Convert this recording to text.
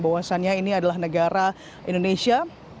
bahwasannya ini adalah negara indonesia